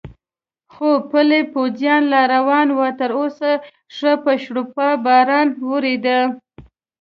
خو پلی پوځیان لا روان و، تراوسه ښه په شړپا باران ورېده.